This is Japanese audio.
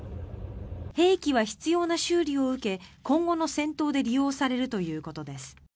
兵器は必要な修理を受け今後の戦闘で利用されるということです。